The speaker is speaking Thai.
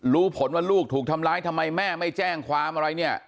รู้ผลว่าลูกถูกทำร้ายทำไมแม่ไม่แจ้งความอะไรเนี่ย